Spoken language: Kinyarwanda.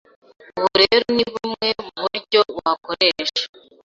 ubu rero ni bumwe mu buryo wakoresha